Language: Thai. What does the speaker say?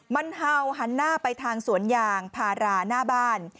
มันเห่าหันหน้าไปทางสวนยางพาราหน้าบ้าน